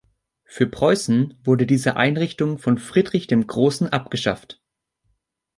Für Preußen wurde diese Einrichtung von Friedrich dem Großen abgeschafft.